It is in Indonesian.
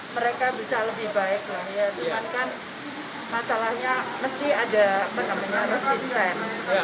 mereka bisa lebih baik lah ya cuman kan masalahnya mesti ada resisten